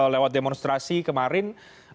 lewat demonstrasi kemarin